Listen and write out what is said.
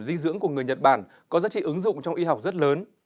dinh dưỡng của người nhật bản có giá trị ứng dụng trong y học rất lớn